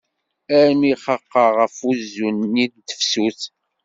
Armi xaqeɣ ɣef uzzu-nni n tefsut.